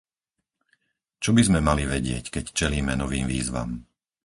Čo by sme mali vedieť, keď čelíme novým výzvam?